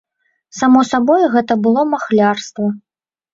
Само сабой, гэта было махлярства.